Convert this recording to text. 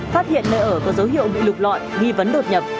phát hiện nơi ở có dấu hiệu bị lục lọi nghi vấn đột nhập